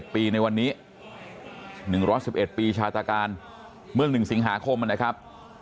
ปีในวันนี้๑๑๑ปีชาตการเมื่อ๑สิงหาคมนะครับ